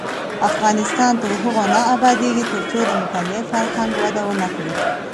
افغانستان تر هغو نه ابادیږي، ترڅو د مطالعې فرهنګ وده ونه کړي.